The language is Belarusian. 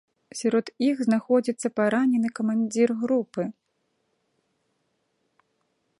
Сярод іх знаходзіцца паранены камандзір групы.